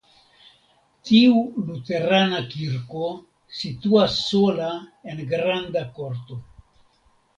Tiu luterana kirko situas sola en granda korto.